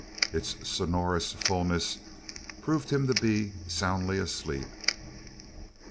Its sonorous fulness proved him to be soundly asleep.